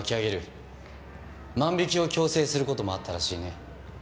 万引きを強制する事もあったらしいね。